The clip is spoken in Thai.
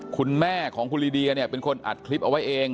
คุณแม่ของคุณลีเดียเนี่ยเป็นคนอัดคลิปเอาไว้เอง